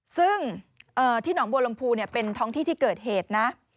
ซึ่งที่หนองบัวลำพูเป็นท้องที่ที่เกิดเหตุนะ